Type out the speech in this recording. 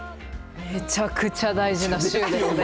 めちゃくちゃ大事な週ですよね。